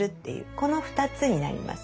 この２つになります。